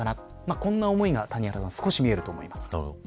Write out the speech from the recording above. こんな思いが少し見えると思います。